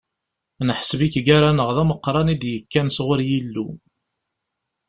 Neḥseb-ik gar-aneɣ d ameqran i d-ikkan sɣur Yillu.